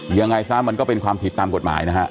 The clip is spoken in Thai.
ยังไงซะมันก็เป็นความผิดตามกฎหมายนะฮะ